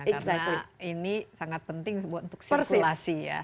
karena ini sangat penting untuk sirkulasi ya